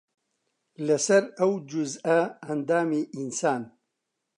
لەسەر ئەو جوزئە ئەندامی ئینسان